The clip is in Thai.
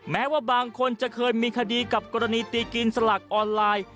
แม้ว่าบางคนจะเคยมีคดีกับกรณีตีกินสลักออนไลน์